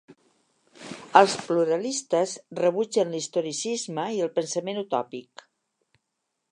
Els pluralistes rebutgen l'historicisme i el pensament utòpic.